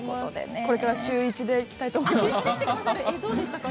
これから週１で来たいと思います。